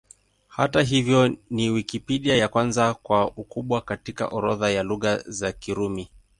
Hata hivyo, ni Wikipedia ya kwanza kwa ukubwa katika orodha ya Lugha za Kirumi.